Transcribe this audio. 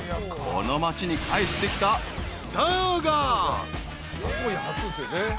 この町に帰ってきたスターが］